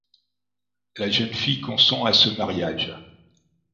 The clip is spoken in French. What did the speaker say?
La jeune fille consent à ce mariage.